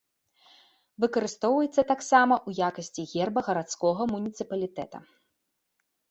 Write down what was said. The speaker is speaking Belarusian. Выкарыстоўваецца таксама ў якасці герба гарадскога муніцыпалітэта.